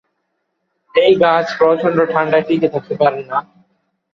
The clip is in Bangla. এই গাছ প্রচণ্ড ঠাণ্ডায় টিকে থাকতে পারে না।